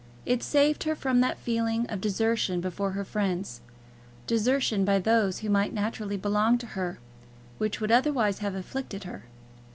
It saved her from that feeling of desertion before her friends, desertion by those who might naturally belong to her, which would otherwise have afflicted her.